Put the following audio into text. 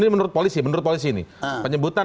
menurut polisi ini penyebutan